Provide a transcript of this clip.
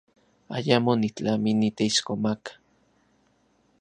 Ayamo nitlami niteixkomaka.